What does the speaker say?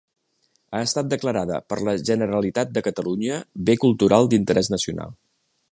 Ha estat declarada per la Generalitat de Catalunya bé cultural d'interès nacional.